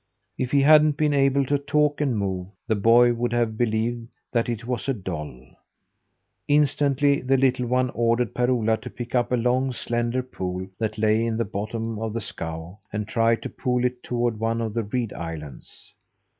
If he hadn't been able to talk and move, the boy would have believed that it was a doll. Instantly, the little one ordered Per Ola to pick up a long, slender pole that lay in the bottom of the scow, and try to pole it toward one of the reed islands.